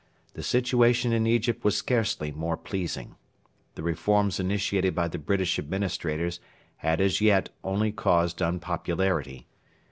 The situation in Egypt was scarcely more pleasing. The reforms initiated by the British Administrators had as yet only caused unpopularity.